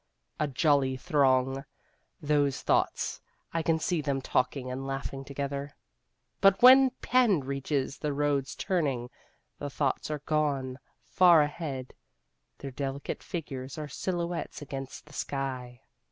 A jolly throng, those thoughts: I can see them talking and laughing together. But when pen reaches the road's turning, the thoughts are gone far ahead: their delicate figures are silhouettes against the sky.